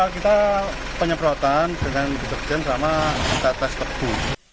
kalau kita penyemprotan dengan deterjen sama tetes tebu